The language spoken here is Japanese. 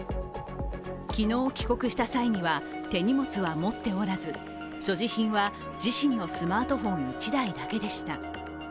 昨日帰国した際には、手荷物は持っておらず、所持品は自身のスマートフォン１台だけでした。